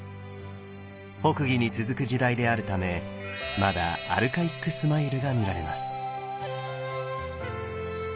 北魏に続く時代であるためまだアルカイックスマイルが見られます。